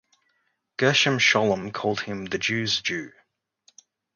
Gershom Scholem called him "the Jews' Jew".